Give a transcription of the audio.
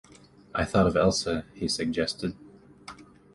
"I thought of Elsa," he suggested.